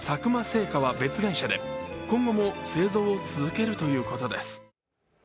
製菓は別会社で今後も製造を続けるということです。